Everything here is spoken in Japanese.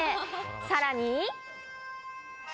さらに。